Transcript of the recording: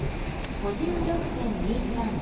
５６．２３。